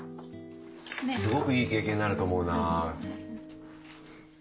すごくいい経験になると思うな。